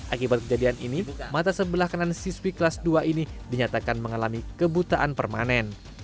akibat kejadian ini mata sebelah kanan siswi kelas dua ini dinyatakan mengalami kebutaan permanen